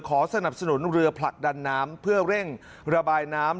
สนับสนุนเรือผลักดันน้ำเพื่อเร่งระบายน้ำ